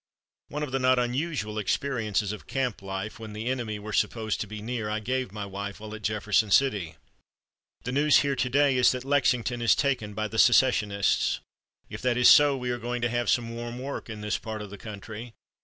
One of the not unusual experiences of camp life, when the enemy were supposed to be near, I gave my wife while at Jefferson City: "The news here to day is that Lexington is taken by the secessionists. If that is so we are going to have some warm work in this part of the country.